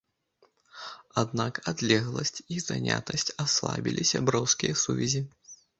Аднак адлегласць і занятасць аслабілі сяброўскія сувязі.